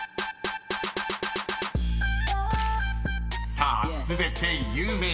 ［さあ全て有名］